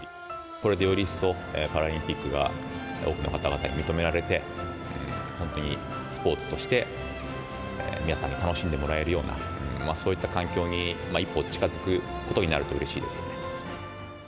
これでより一層、パラリンピックが多くの方々に認められて、本当にスポーツとして皆さんに楽しんでもらえるような、そういった環境に一歩近づくことになるとうれしいですよね。